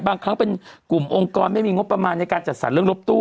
บางครั้งเป็นกลุ่มองค์กรไม่มีงบประมาณในการจัดสรรเรื่องรถตู้